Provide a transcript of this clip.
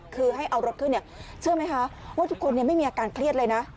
คือให้เอารถขึ้นเนี่ยเชื่อไหมคะว่าทุกคนไม่มีอาการเครียดเลยนะ